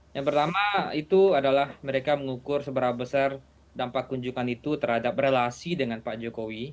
yang pertama itu adalah mereka mengukur seberapa besar dampak kunjungan itu terhadap relasi dengan pak jokowi